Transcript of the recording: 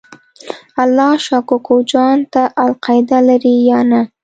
الله شا کوکو جان ته القاعده لرې یا نه؟